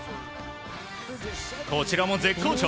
こちらも絶好調